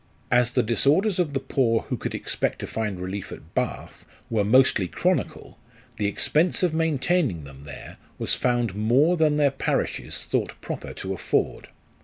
As the disorders of the poor who could expect to find relief at Bath, were mostly chronical, the expense of maintaining them there was found more than their parishes thought proper to afford.